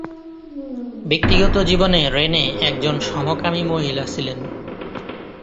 ব্যক্তিগত জীবনে রেনে একজন সমকামী মহিলা ছিলেন।